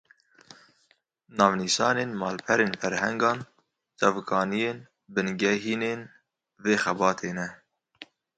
Navnîşanên malperên ferhengan, çavkaniyên bingehîn ên vê xebatê ne.